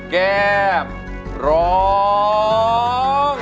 แก้มร้อง